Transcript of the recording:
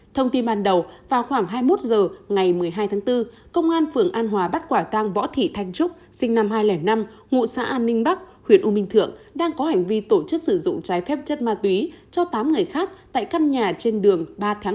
thông tin ban đầu vào khoảng hai mươi một h ngày một mươi hai tháng bốn công an phường an hòa bắt quả tang võ thị thanh trúc sinh năm hai nghìn năm ngụ xã an ninh bắc huyện u minh thượng đang có hành vi tổ chức sử dụng trái phép chất ma túy cho tám người khác tại căn nhà trên đường ba tháng bốn